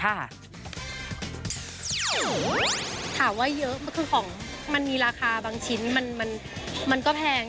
ถามว่าเยอะคือของมันมีราคาบางชิ้นมันก็แพง